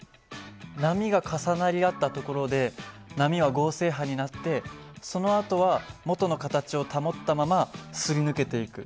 波が重なり合った所で波は合成波になってそのあとは元の形を保ったまますり抜けていく。